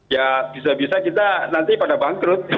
ya bisa bisa kita nanti pada bangkrut